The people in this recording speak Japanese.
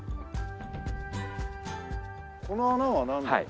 この穴はなんで？